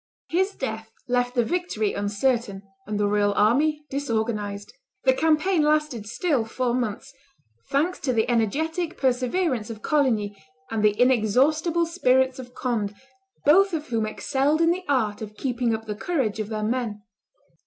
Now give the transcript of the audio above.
His death left the victory uncertain and the royal army disorganized. The campaign lasted still four months, thanks to the energetic perseverance of Coligny and the inexhaustible spirits of Conde, both of whom excelled in the art of keeping up the courage of their men.